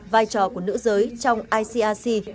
vai trò của nữ giới trong icic